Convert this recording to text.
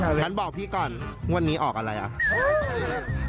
ก็รับบทเป็นพิธีกรน้ำใหม่